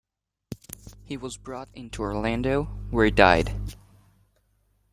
He was brought into Orlando, where he died.